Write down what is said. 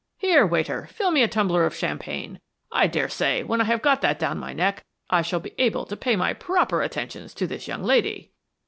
Here, waiter, fill me a tumbler of champagne. I daresay when I have got that down my neck I shall be able to pay my proper attentions to this young lady."